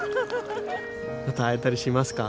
また会えたりしますか？